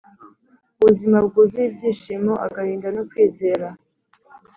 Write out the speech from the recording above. ubuzima bwuzuye ibyishimo, agahinda no kwizera